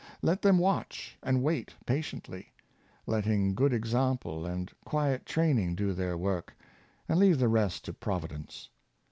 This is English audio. Let them watch and wait patiently, letting good example and quiet training do their work, and leave the rest to Prov idence.